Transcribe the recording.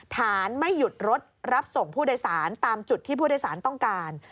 ฐานไม่หยุดรถรับส่งผู้โดยสารตามจุดที่ผู้โดยสารต้องการ